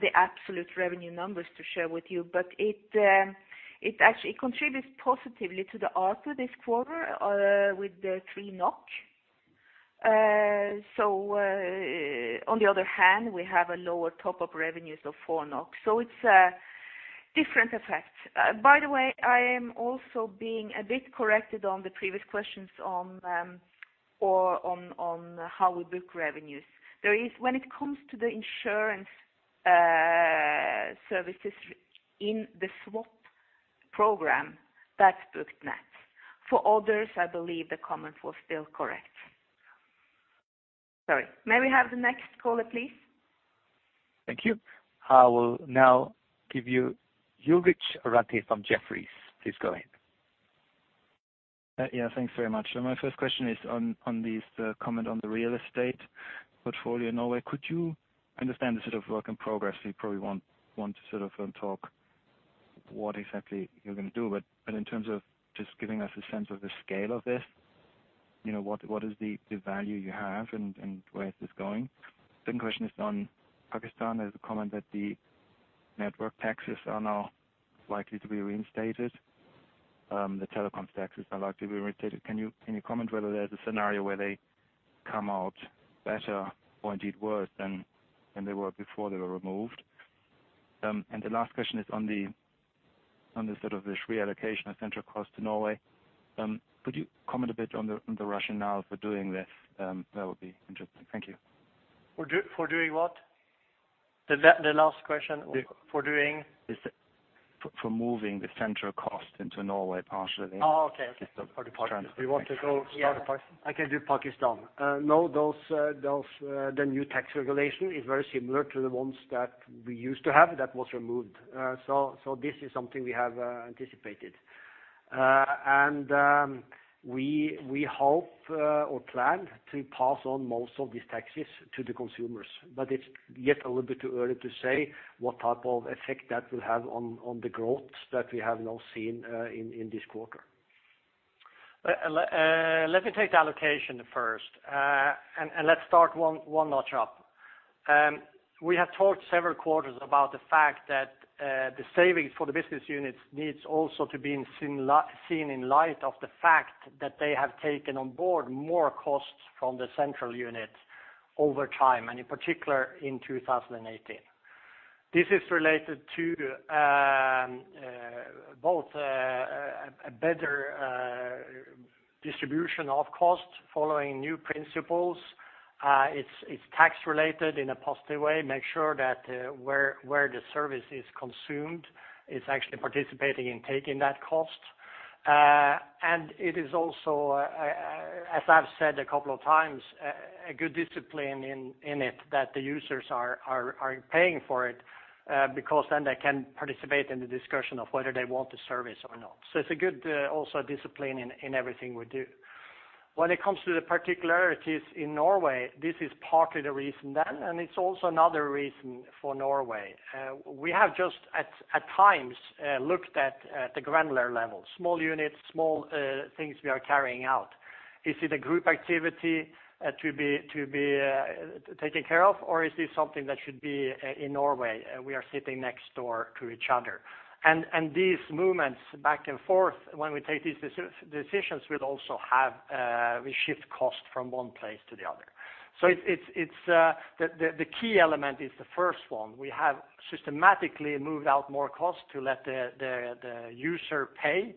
A: the absolute revenue numbers to share with you, but it actually contributes positively to the ARPU this quarter with the 3 NOK. So, on the other hand, we have a lower top of revenues of 4 NOK. So it's a different effect. By the way, I am also being a bit corrected on the previous questions on how we book revenues. There is, when it comes to the insurance services in the swap program, that's booked net. For others, I believe the comment was still correct. Sorry, may we have the next caller, please?
E: Thank you. I will now give you Ulrich Rathe from Jefferies. Please go ahead.
J: Yeah, thanks very much. So my first question is on, on this comment on the real estate portfolio in Norway. I understand this is a work in progress, so you probably won't want to sort of talk what exactly you're gonna do, but, but in terms of just giving us a sense of the scale of this, you know, what, what is the, the value you have and, and where is this going? Second question is on Pakistan. There's a comment that the network taxes are now likely to be reinstated, the telecom taxes are likely to be reinstated. Can you, can you comment whether there's a scenario where they come out better or indeed worse than, than they were before they were removed? And the last question is on the, on the sort of this reallocation of central cost to Norway. Could you comment a bit on the rationale for doing this? That would be interesting. Thank you.
C: For doing what? The last question, for doing?
J: Is for moving the central cost into Norway partially.
C: Oh, okay. Okay.
J: Just the transfer.
C: You want to go?
A: Yeah.
C: I can do Pakistan. No, those, the new tax regulation is very similar to the ones that we used to have that was removed. So, this is something we have anticipated. And, we hope, or plan to pass on most of these taxes to the consumers, but it's yet a little bit too early to say what type of effect that will have on, the growth that we have now seen, in this quarter. Let me take the allocation first, and let's start one notch up. We have talked several quarters about the fact that the savings for the business units needs also to be seen in light of the fact that they have taken on board more costs from the central unit over time, and in particular, in 2018. This is related to both a better distribution of cost following new principles. It's tax related in a positive way, make sure that where the service is consumed, it's actually participating in taking that cost. And it is also, as I've said a couple of times, a good discipline in it that the users are paying for it because then they can participate in the discussion of whether they want the service or not. So it's a good also discipline in everything we do. When it comes to the particularities in Norway, this is partly the reason then, and it's also another reason for Norway. We have just at times looked at the granular level, small units, small things we are carrying out. Is it a group activity to be taken care of? Or is this something that should be in Norway, and we are sitting next door to each other? And these movements back and forth, when we take these decisions, we'd also have we shift cost from one place to the other. So it's the key element is the first one. We have systematically moved out more cost to let the user pay,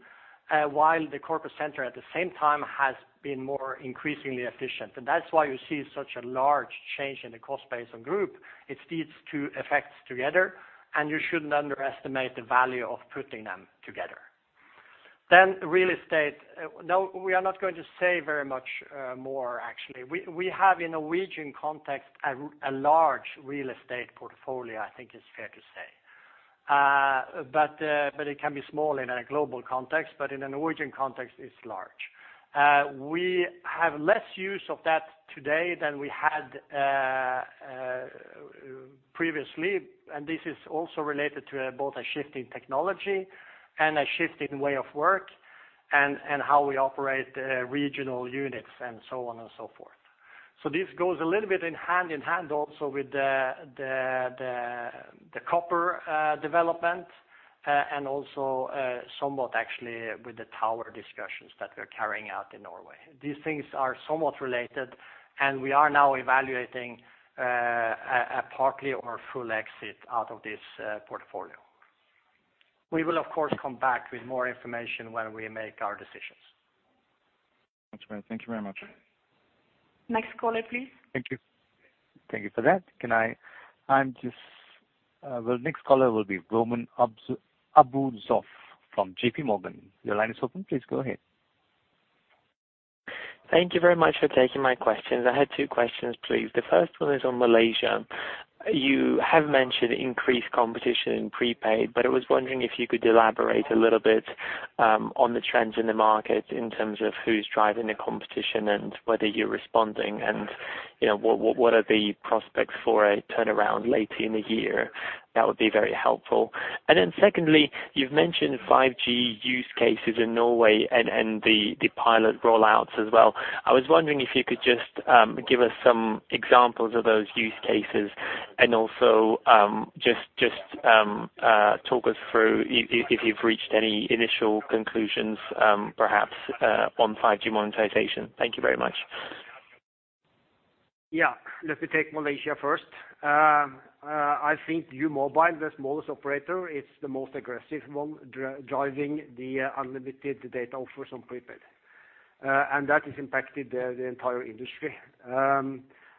C: while the corporate center at the same time has been more increasingly efficient. And that's why you see such a large change in the cost base on group. It's these two effects together, and you shouldn't underestimate the value of putting them together. Then real estate. No, we are not going to say very much, more actually. We have in Norwegian context, a large real estate portfolio, I think it's fair to say. But it can be small in a global context, but in a Norwegian context, it's large. We have less use of that today than we had previously, and this is also related to both a shift in technology and a shift in way of work and how we operate regional units and so on and so forth. So this goes a little bit in hand in hand also with the copper development and also somewhat actually with the tower discussions that we're carrying out in Norway. These things are somewhat related, and we are now evaluating a partly or full exit out of this portfolio. We will, of course, come back with more information when we make our decisions.
J: Thank you very much.
A: Next caller, please.
E: Thank you. Thank you for that. Can I... I'm just, well, next caller will be Roman Arbuzov from JP Morgan. Your line is open. Please go ahead.
K: Thank you very much for taking my questions. I had two questions, please. The first one is on Malaysia. You have mentioned increased competition in prepaid, but I was wondering if you could elaborate a little bit on the trends in the market in terms of who's driving the competition and whether you're responding, and, you know, what are the prospects for a turnaround later in the year? That would be very helpful. And then secondly, you've mentioned 5G use cases in Norway and the pilot rollouts as well. I was wondering if you could just give us some examples of those use cases, and also just talk us through if you've reached any initial conclusions, perhaps on 5G monetization. Thank you very much.
B: ...Yeah, let me take Malaysia first. I think U Mobile, the smallest operator, is the most aggressive one driving the unlimited data offers on prepaid. And that has impacted the entire industry.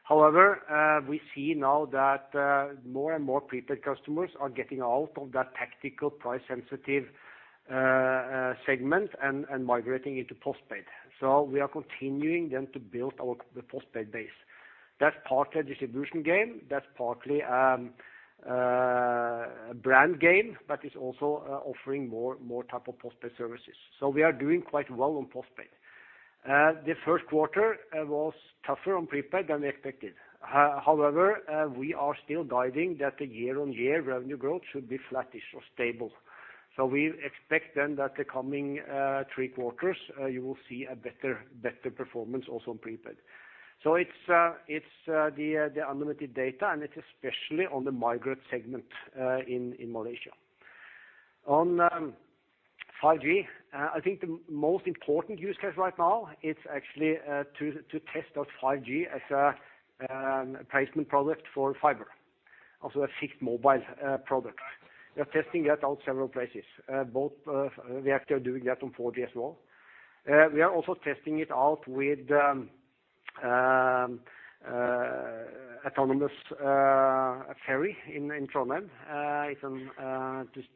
B: However, we see now that more and more prepaid customers are getting out of that tactical, price-sensitive segment and migrating into postpaid. So we are continuing then to build our postpaid base. That's partly a distribution game, that's partly a brand game, but it's also offering more types of postpaid services. So we are doing quite well on postpaid. The first quarter was tougher on prepaid than we expected. However, we are still guiding that the year-on-year revenue growth should be flattish or stable. So we expect then that the coming three quarters you will see a better performance also on prepaid. So it's the unlimited data, and it's especially on the migrant segment in Malaysia. On 5G, I think the most important use case right now is actually to test out 5G as a replacement product for fiber, also a fixed mobile product. We are testing that out several places, both we actually are doing that on 4G as well. We are also testing it out with autonomous ferry in Tromsø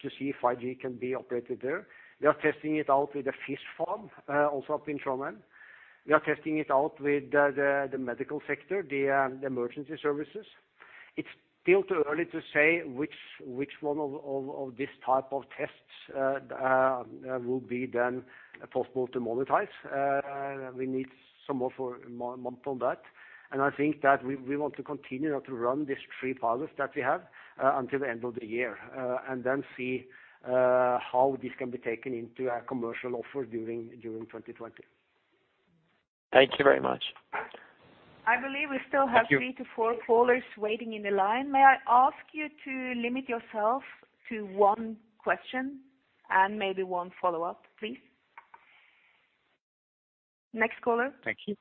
B: to see if 5G can be operated there. We are testing it out with a fish farm also up in Tromsø. We are testing it out with the medical sector, the emergency services. It's still too early to say which one of this type of tests will be then possible to monetize. We need a few more months on that. I think that we want to continue to run these three pilots that we have until the end of the year, and then see how this can be taken into a commercial offer during 2020.
E: Thank you very much.
A: I believe we still have-
E: Thank you.
A: 3-4 callers waiting in the line. May I ask you to limit yourself to one question and maybe one follow-up, please? Next caller.
E: Thank you.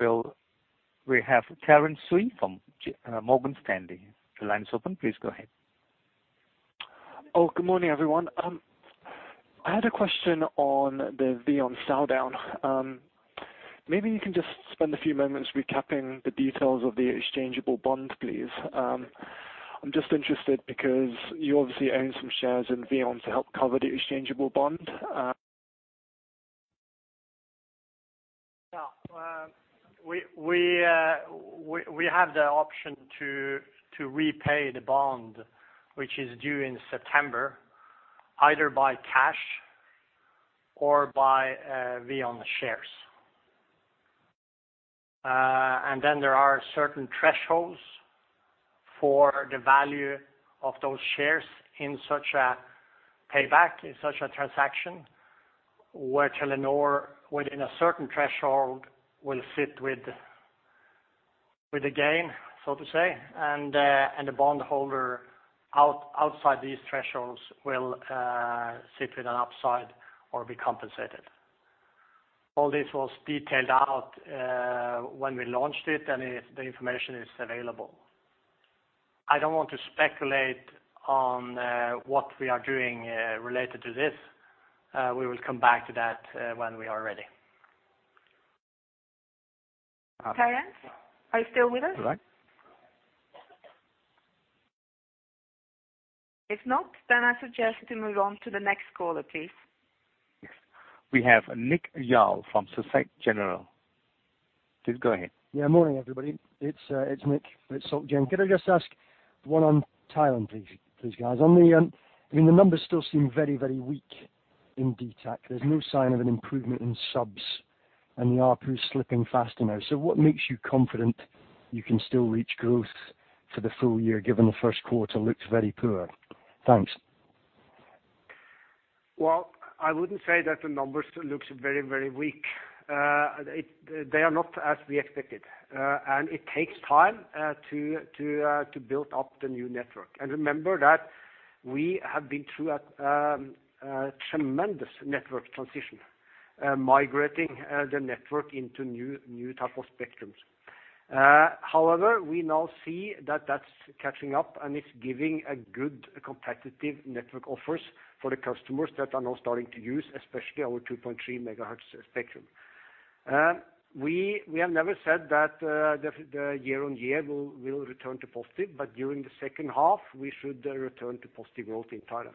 E: Well, we have Terence Tsui from Morgan Stanley. The line's open. Please go ahead.
L: Oh, good morning, everyone. I had a question on the VEON sell down. Maybe you can just spend a few moments recapping the details of the exchangeable bond, please. I'm just interested because you obviously own some shares in VEON to help cover the exchangeable bond.
B: Yeah. We have the option to repay the bond, which is due in September, either by cash or by VEON shares. And then there are certain thresholds for the value of those shares in such a payback, in such a transaction, where Telenor, within a certain threshold, will sit with a gain, so to say, and the bondholder outside these thresholds will sit with an upside or be compensated. All this was detailed out when we launched it, and the information is available. I don't want to speculate on what we are doing related to this. We will come back to that when we are ready.
A: Terence, are you still with us?
L: Right.
A: If not, then I suggest to move on to the next caller, please.
E: Yes. We have Nick Lyall from SocGen. Please go ahead.
M: Yeah. Morning, everybody. It's, it's Nick with SocGen. Could I just ask one on Thailand, please, please, guys? On the, I mean, the numbers still seem very, very weak in dtac. There's no sign of an improvement in subs, and the ARPU is slipping faster now. So what makes you confident you can still reach growth for the full year, given the first quarter looked very poor? Thanks.
B: Well, I wouldn't say that the numbers looks very, very weak. They are not as we expected. And it takes time to build up the new network. And remember that we have been through a tremendous network transition, migrating the network into new type of spectrums. However, we now see that that's catching up, and it's giving a good competitive network offers for the customers that are now starting to use, especially our 2.3 GHz spectrum. We have never said that the year-on-year will return to positive, but during the second half, we should return to positive growth in Thailand.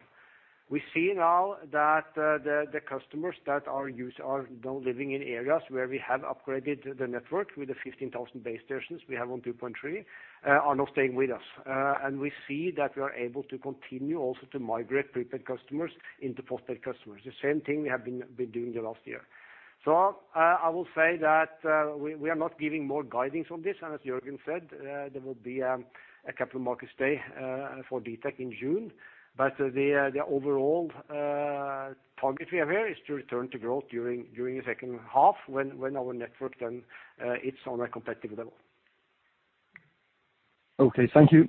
B: We see now that the customers that are now living in areas where we have upgraded the network with the 15,000 base stations we have on 2.3 are now staying with us. And we see that we are able to continue also to migrate prepaid customers into postpaid customers, the same thing we have been doing the last year. So, I will say that we are not giving more guidance on this, and as Jørgen said, there will be a capital markets day for dtac in June. But the overall target we have here is to return to growth during the second half, when our network then is on a competitive level....
C: Okay, thank you.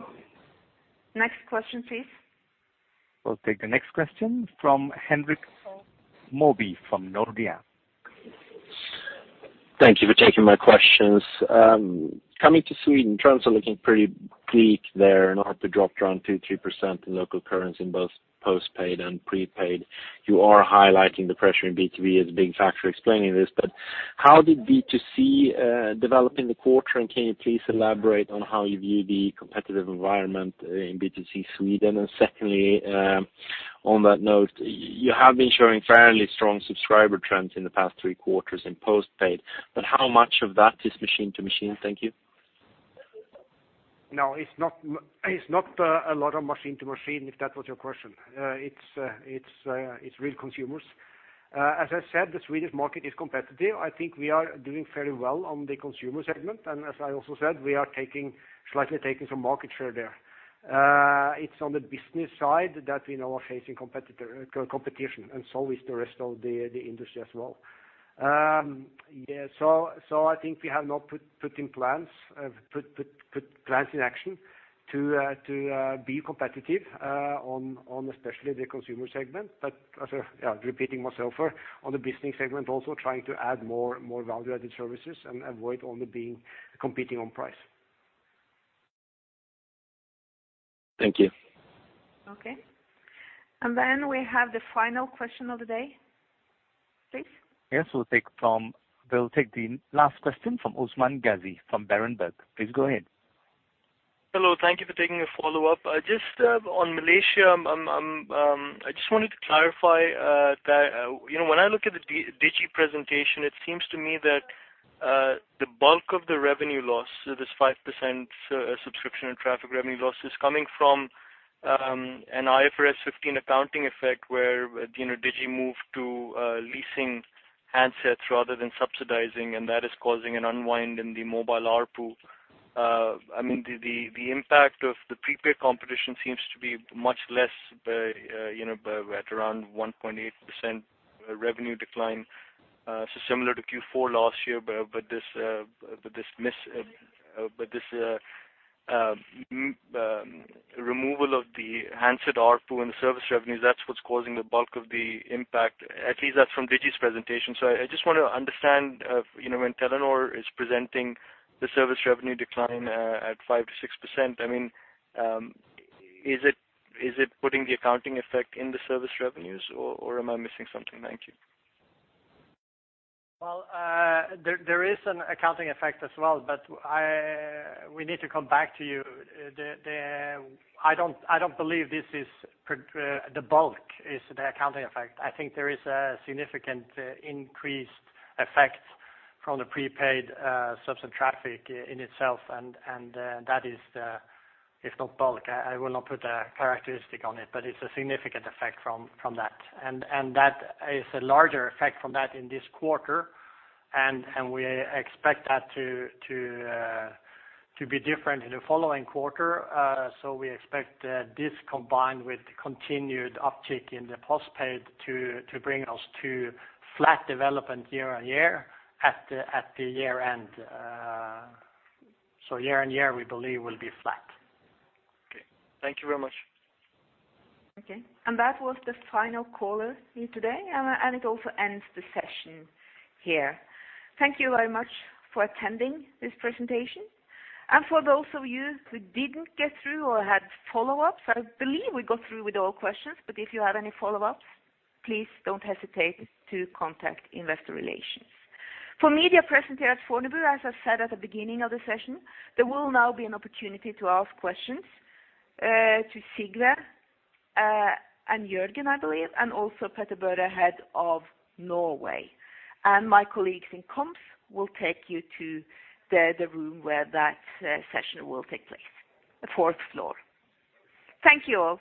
A: Next question, please.
E: We'll take the next question from Henrik Mobi from Nordea.
N: Thank you for taking my questions. Coming to Sweden, trends are looking pretty bleak there, in order to drop around 2% to 3% in local currency in both postpaid and prepaid. You are highlighting the pressure in B2B as a big factor explaining this, but how did B2C develop in the quarter, and can you please elaborate on how you view the competitive environment in B2C Sweden? And secondly, on that note, you have been showing fairly strong subscriber trends in the past three quarters in postpaid, but how much of that is machine to machine? Thank you.
B: No, it's not, it's not a lot of machine to machine, if that was your question. It's real consumers. As I said, the Swedish market is competitive. I think we are doing very well on the consumer segment, and as I also said, we are slightly taking some market share there. It's on the business side that we now are facing competition, and so is the rest of the industry as well. So I think we have now put plans in action to be competitive on especially the consumer segment. But as I, repeating myself, on the business segment, also trying to add more value-added services and avoid only competing on price.
N: Thank you.
A: Okay. Then we have the final question of the day, please.
E: Yes, we'll take the last question from Usman Ghazi from Berenberg. Please go ahead.
H: Hello, thank you for taking a follow-up. Just on Malaysia, I just wanted to clarify that you know, when I look at the Digi presentation, it seems to me that the bulk of the revenue loss, so this 5% subscription and traffic revenue loss, is coming from an IFRS 15 accounting effect, where you know, Digi moved to leasing handsets rather than subsidizing, and that is causing an unwind in the mobile ARPU. I mean, the impact of the prepaid competition seems to be much less you know, at around 1.8% revenue decline. So similar to Q4 last year, but this removal of the handset ARPU and the service revenues, that's what's causing the bulk of the impact. At least that's from Digi's presentation. So I just want to understand, you know, when Telenor is presenting the service revenue decline at 5% to 6%, I mean, is it, is it putting the accounting effect in the service revenues, or, or am I missing something? Thank you.
C: Well, there is an accounting effect as well, but I... We need to come back to you. I don't believe this is the bulk is the accounting effect. I think there is a significant increased effect from the prepaid subset traffic in itself, and that is the, if not bulk, I will not put a characteristic on it, but it's a significant effect from that. And that is a larger effect from that in this quarter, and we expect that to be different in the following quarter. So we expect this combined with the continued uptick in the postpaid to bring us to flat development year on year, at the year end. So year on year, we believe will be flat.
H: Okay. Thank you very much.
A: Okay. That was the final caller in today, and it also ends the session here. Thank you very much for attending this presentation. For those of you who didn't get through or had follow-ups, I believe we got through with all questions, but if you have any follow-ups, please don't hesitate to contact investor relations. For media present here at Fornebu, as I said at the beginning of the session, there will now be an opportunity to ask questions to Sigve and Jørgen, I believe, and also Petter-Børre Furberg, head of Norway. My colleagues in comms will take you to the room where that session will take place. The fourth floor. Thank you all.